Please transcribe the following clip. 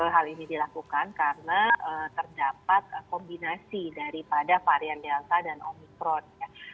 jadi ini sudah dilakukan karena terdapat kombinasi daripada varian delta dan omikron